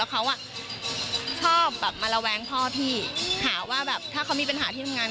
เขาอ่ะชอบแบบมาระแวงพ่อพี่หาว่าแบบถ้าเขามีปัญหาที่ทำงาน